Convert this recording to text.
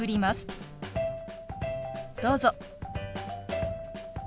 どうぞ。